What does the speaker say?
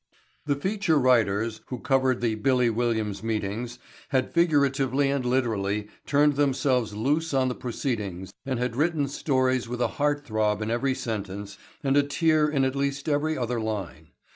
The "feature writers" who covered the "Billy" Williams' meetings had figuratively and literally turned themselves loose on the proceedings and had written stories with a heart throb in every sentence and a tear in at least every other line.